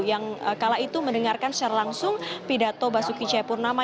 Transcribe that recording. yang kala itu mendengarkan secara langsung pidato basuki cepurnama